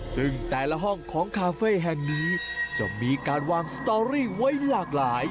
ซึ่งแต่ละห้องของคาเฟ่แห่งนี้จะมีการวางสตอรี่ไว้หลากหลาย